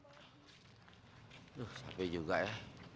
aduh sampe juga ya